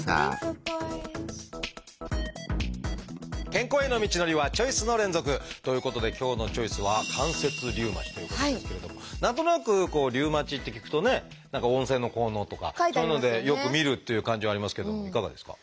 健康への道のりはチョイスの連続！ということで今日の「チョイス」は何となくこう「リウマチ」って聞くとね何か温泉の効能とかそういうのでよく見るっていう感じはありますけどもいかがですか？